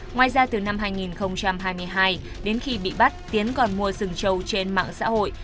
ngoài ra từ năm hai nghìn hai mươi hai đến khi bị bắt tiến còn mua rừng trâu trên mạng xã hội